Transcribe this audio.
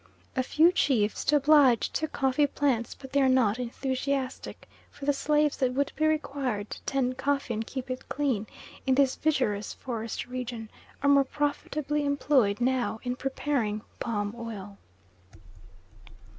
A few chiefs, to oblige, took coffee plants, but they are not enthusiastic, for the slaves that would be required to tend coffee and keep it clean, in this vigorous forest region, are more profitably employed now in preparing palm oil.